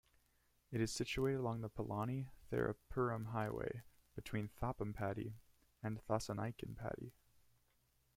It is situated along the Palani-Tharapuram Highway, between Thoppampatty and Thasanaiken Patty.